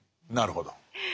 なるほど。